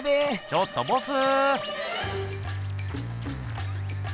ちょっとボス。